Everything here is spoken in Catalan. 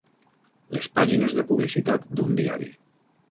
Les pàgines de publicitat d'un diari.